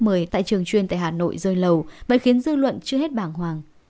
lớp một mươi tại trường chuyên tại hà nội rơi lầu và khiến dư luận chưa hết bàng hoàng